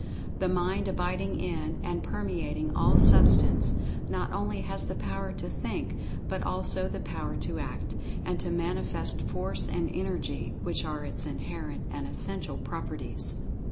"—"The Mind abiding in and permeating all Substance, not only has the power to Think, but also the power to Act, and to manifest Force and Energy, which are its inherent and essential properties."